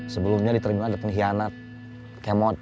sebelumnya di terminal ada pengkhianat kemot